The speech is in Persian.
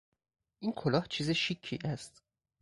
این کلاه چیز شیکی است.